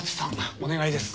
お願いです。